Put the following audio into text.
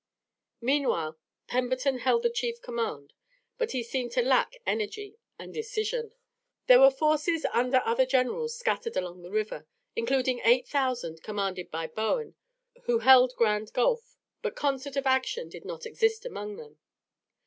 Meanwhile Pemberton held the chief command, but he seemed to lack energy and decision. There were forces under other generals scattered along the river, including eight thousand commanded by Bowen, who held Grand Gulf, but concert of action did not exist among them.